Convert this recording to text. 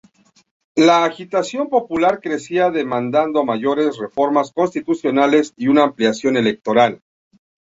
La agitación popular crecía demandando mayores reformas constitucionales y una ampliación electoral.